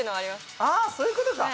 そういうことか！